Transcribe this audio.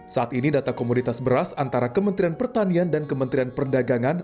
saat ini data komoditas beras antara kementerian pertanian dan kementerian perdagangan